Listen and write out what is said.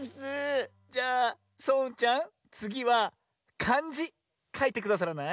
じゃあそううんちゃんつぎはかんじかいてくださらない？